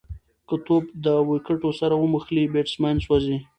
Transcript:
که توپ د وکټو سره وموښلي، بېټسمېن سوځي.